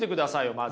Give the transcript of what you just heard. まず。